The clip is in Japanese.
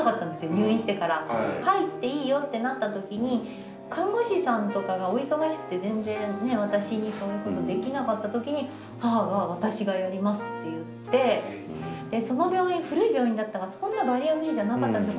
「入っていいよ」ってなった時に看護師さんとかがお忙しくて全然ね私にそういうことできなかった時にその病院古い病院だったのでそんなバリアフリーじゃなかったんですよ。